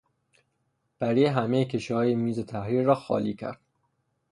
پری همهی کشوهای میز تحریر را خالی کرد.